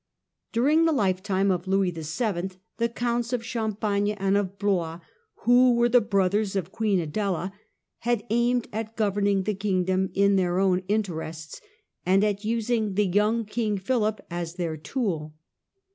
During the lifetime of Louis VIL, the Counts of Cham pagne and of Blois, who were the brothers of Queen Adela, had aimed at governing the kingdom in their own interests, and at using the young king Philip as their tool.